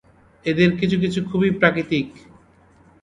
এদের কিছু কিছু খুবই প্রাকৃতিক।